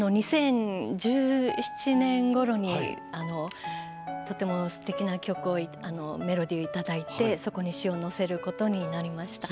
２０１７年ごろにとてもすてきな曲をメロディーをいただいてそこに詞をのせることになりました。